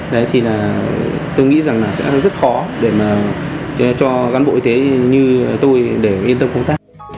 đấy thì là tôi nghĩ rằng là sẽ rất khó để mà cho cán bộ y tế như tôi để yên tâm công tác